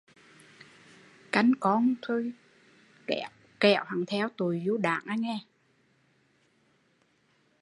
Canh con kẻo hắn theo tụi du đãng